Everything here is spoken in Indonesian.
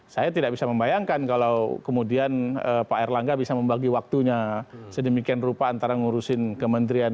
saya tidak bisa membayangkan kalau kemudian pak erlangga bisa membagi waktunya sedemikian rupa antara ngurusin kementerian